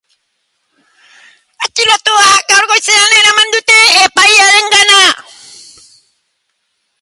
Atxilotua gaur goizean eraman dute epailearengana.